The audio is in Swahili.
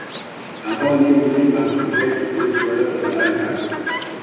Ambao ni mlima mrefu kuliko yote barani Afrika